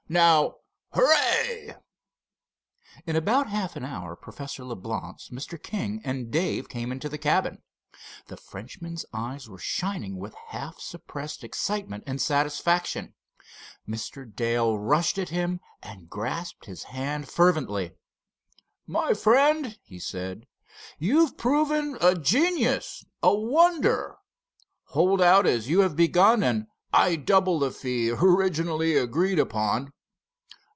Now—hooray!" In about half an hour Professor Leblance, Mr. King and Dave came into the cabin. The Frenchman's eyes were shining with half suppressed excitement and satisfaction. Mr. Dale rushed at him and grasped his hand fervently. "My friend," he said, "you've proven a genius, a wonder! Hold out as you have begun, and I double the fee originally agreed upon."